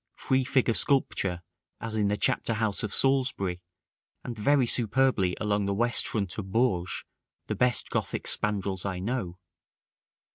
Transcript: Free figure sculpture, as in the Chapter house of Salisbury, and very superbly along the west front of Bourges, the best Gothic spandrils I know.